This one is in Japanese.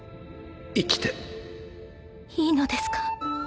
生きていいのですか？